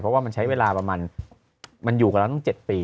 เพราะว่ามันใช้เวลาประมาณมันอยู่กับเราตั้ง๗ปี